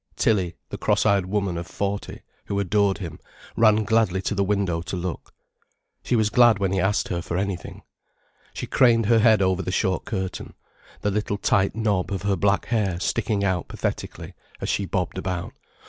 Tilly, the cross eyed woman of forty, who adored him, ran gladly to the window to look. She was glad when he asked her for anything. She craned her head over the short curtain, the little tight knob of her black hair sticking out pathetically as she bobbed about.